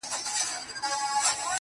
• اوس مي تعويذ له ډېره خروښه چاودي.